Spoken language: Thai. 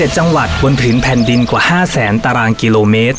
๗จังหวัดบนผืนแผ่นดินกว่า๕แสนตารางกิโลเมตร